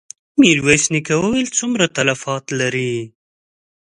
ميرويس نيکه وويل: څومره تلفات لرې؟